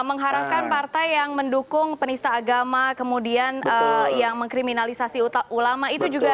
mengharapkan partai yang mendukung penista agama kemudian yang mengkriminalisasi ulama itu juga